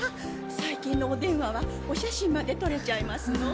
最近のお電話はお写真まで撮れちゃいますの！？